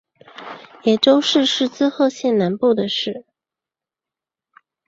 野洲市是滋贺县南部的市。